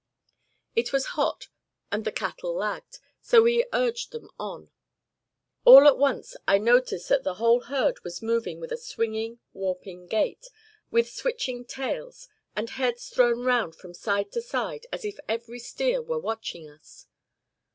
It was hot, and the cattle lagged, so we urged them on. All at once I noticed that the whole herd was moving with a swinging, warping gait, with switching tails, and heads thrown round from side to side as if every steer were watching us.